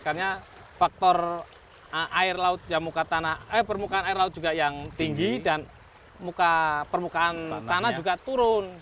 karena faktor permukaan air laut juga yang tinggi dan permukaan tanah juga turun